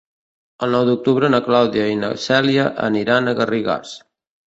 El nou d'octubre na Clàudia i na Cèlia aniran a Garrigàs.